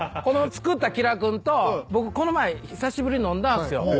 つくった木田君と僕この前久しぶりに飲んだんすよ。